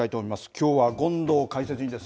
きょうは権藤解説委員です。